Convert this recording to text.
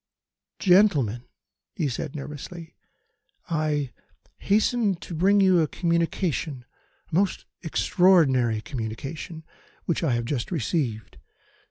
"Gentlemen," he said nervously, "I hasten to bring you a communication, a most extraordinary communication, which I have just received.